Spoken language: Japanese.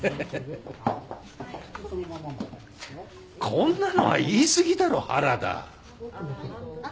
「こんなの」は言い過ぎだろ原田。